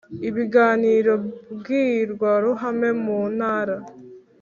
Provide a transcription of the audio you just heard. Ibiganiro mbwirwaruhame mu Ntara